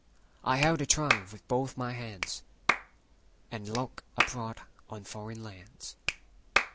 I held the trunk with both my handsAnd looked abroad on foreign lands.